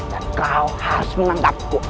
dan kau harus mengandalku